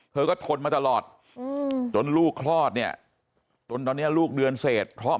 เธอก็ทนมาตลอดจนตอนนี้ลูกเดือนเสร็จ